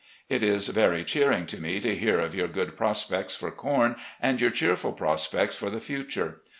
It is very cheering to me to hear of your good prospects for com and your cheerful prospects for the future.